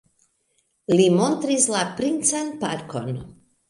Li montris la princan parkon.